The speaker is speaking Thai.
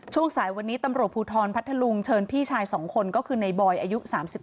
ช่วงสายวันนี้ตรรพูทรพัฒนลุงเชิญพี่ชาย๒คนก็คือในบอยอายุ๓๑